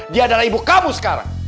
dia adalah ibu kamu sekarang